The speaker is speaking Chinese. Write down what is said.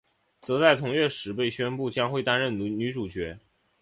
则在同月时被宣布将会担任女主角。